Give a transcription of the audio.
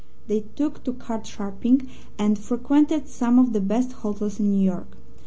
They took to card sharping, and frequented some of the best hotels in New York.